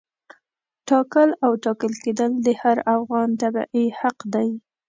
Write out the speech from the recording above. ټاکل او ټاکل کېدل د هر افغان تبعه حق دی.